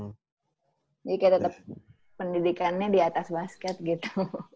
jadi kayak tetep pendidikannya di atas basket gitu